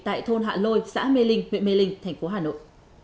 tại thôn hạ lôi xã mê linh huyện mê linh thành phố hà nội